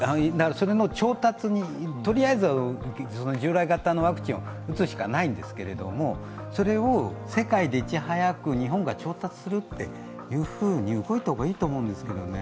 それの調達にとりあえず従来型のワクチン打つしかないんですけどそれを世界でいち早く日本が調達するというふうに動いた方がいいと思うんですけどね。